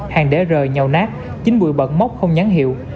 hàng để rời nhầu nát chính bụi bận mốc không nhắn hiệu